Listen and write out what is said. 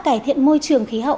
cải thiện môi trường khí hậu